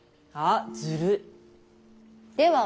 あっずるい。